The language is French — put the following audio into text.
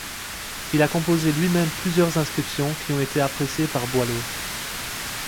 Il a composé lui-même plusieurs inscriptions qui ont été appréciées par Boileau.